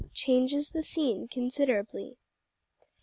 CHANGES THE SCENE CONSIDERABLY!